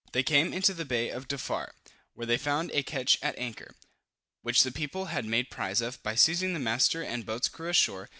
They came into the bay of Defarr, where they found a ketch at anchor, which the people had made prize of, by seizing the master and boat's crew ashore.